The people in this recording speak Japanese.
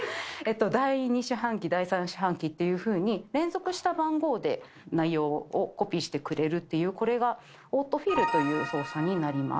第２四半期、第３四半期っていうふうに、連続した番号で内容をコピーしてくれるっていう、これがオートフィルという操作になります。